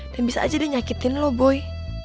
dan bisa aja dia nyakitin lo boy